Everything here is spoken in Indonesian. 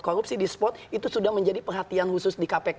korupsi di spot itu sudah menjadi perhatian khusus di kpk